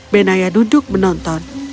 benayal duduk menonton